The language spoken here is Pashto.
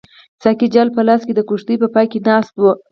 ساقي جال په لاس د کښتۍ په پای کې ناست وو.